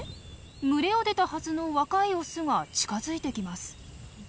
群れを出たはずの若いオスが近づいてきます。